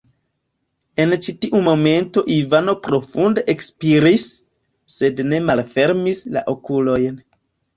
En ĉi-tiu momento Ivano profunde ekspiris, sed ne malfermis la okulojn.